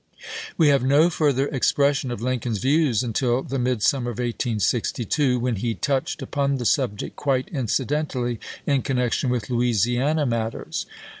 We have no further expression of Lincoln's views until the midsummer of 1862, when he touched upon the subject quite incidentally in connection with Louisiana matters.